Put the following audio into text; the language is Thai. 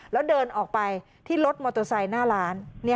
แล้วเดินออกไปที่รถมอเตอร์ไซค์หน้าร้าน